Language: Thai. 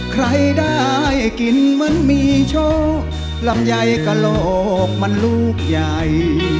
ใครได้กินเหมือนมีโชคลำไยกระโหลกมันลูกใหญ่